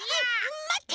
まって！